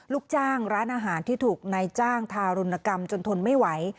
ลูกจ้างร้านอาหารที่ถูกนายจ้างทารุณกรรมจนทนไม่ไหว